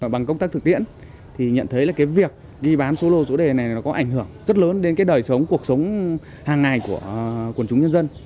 bằng công tác thực tiễn thì nhận thấy là cái việc đi bán số lô số đề này nó có ảnh hưởng rất lớn đến cái đời sống cuộc sống hàng ngày của quần chúng nhân dân